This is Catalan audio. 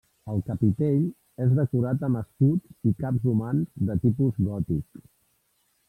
El capitell és decorat amb escuts i caps humans de tipus gòtic.